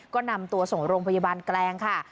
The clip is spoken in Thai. ก็นำตัวส่งโรงพยาบาลแกลงค่ะ